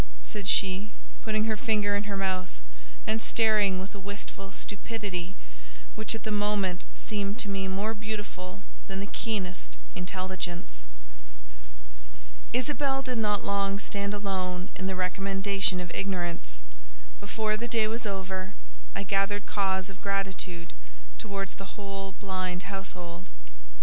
said she, putting her finger in her mouth, and staring with a wistful stupidity which at the moment seemed to me more beautiful than the keenest intelligence. Isabelle did not long stand alone in the recommendation of ignorance: before the day was over, I gathered cause of gratitude towards the whole blind household.